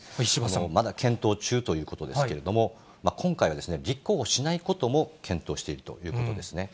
まだ検討中ということですけれども、今回は立候補しないことも検討しているということですね。